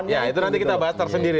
ya itu nanti kita bahas tersendiri